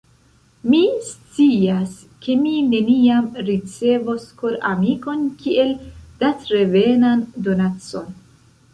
Mi scias ke mi neniam ricevos koramikon kiel datrevenan donacon.